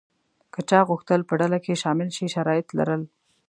که چا غوښتل په ډله کې شامل شي شرایط یې لرل.